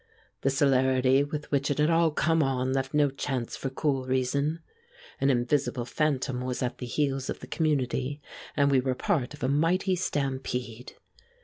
The celerity with which it had all come on left no chance for cool reason. An invisible phantom was at the heels of the community and we were part of a mighty stampede.